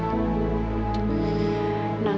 aku mau pergi